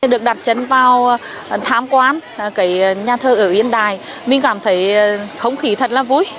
được đặt chấn vào thám quan nhà thờ ở yên đại mình cảm thấy không khí thật là vui